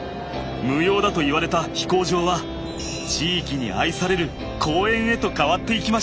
無用だといわれた飛行場は地域に愛される公園へと変わっていきました。